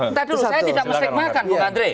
saya tidak menstigmakan bok andri